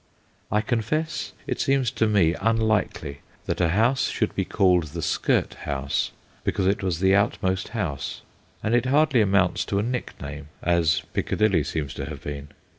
I confess it seems to me unlikely that a house should be called the skirt house because it was the outmost house, and it hardly amounts to a nickname, as Piccadilly seems to have been.